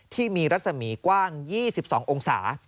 ที่มีรัศมีกว้าง๒๒องศา